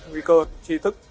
nguy cơ chi thức